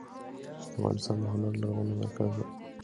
افغانستان د هنر لرغونی مرکز و.